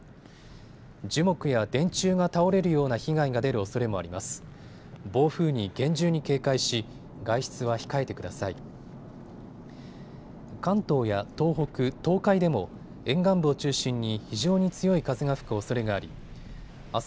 樹木や電柱が倒れるような被害が出るおそれもあります。